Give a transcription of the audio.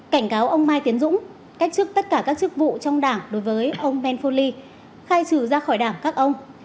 cảnh cáo ông mai tiến dũng cách trước tất cả các chức vụ trong đảng đối với ông ben phô ly khai trừ ra khỏi đảng các ông